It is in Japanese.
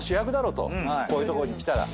こういうとこに来たら。